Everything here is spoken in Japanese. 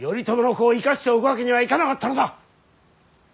頼朝の子を生かしておくわけにはいかなかったのだ！